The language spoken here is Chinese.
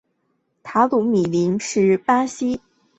塔鲁米林是巴西米纳斯吉拉斯州的一个市镇。